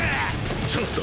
チャンスだ